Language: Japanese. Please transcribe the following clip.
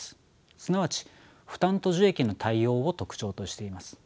すなわち負担と受益の対応を特徴としています。